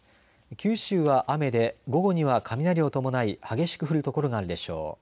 九州は雨で午後には雷を伴い激しく降る所があるでしょう。